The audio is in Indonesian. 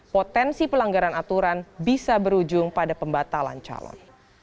potensi pelanggaran aturan bisa berujung pada pembatalan calon